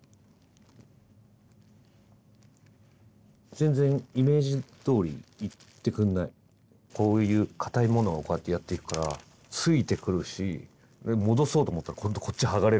全然こういう硬いものをこうやってやっていくからついてくるし戻そうと思ったら今度こっち剥がれるし。